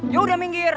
ya udah minggir